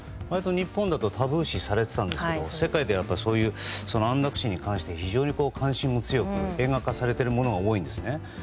割と日本だとタブー視されていたんですが世界では安楽死に関して非常に関心も強く映画化がされているものが多いんです。